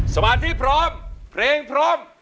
สมาธิพร้อมเพลงพร้อม